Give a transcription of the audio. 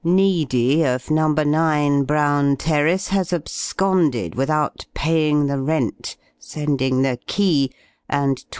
Needy, of No. 9, Brown Terrace, has absconded without paying the rent sending the key, and £12.